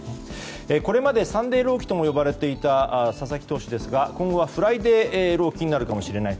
これまで、サンデー朗希とも呼ばれていた佐々木投手ですが今後はフライデー朗希になるかもしれない。